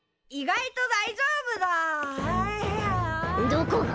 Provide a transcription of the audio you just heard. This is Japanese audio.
どこが。